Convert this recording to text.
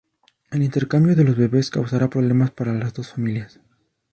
El intercambio de los bebes causara problemas para las dos familias.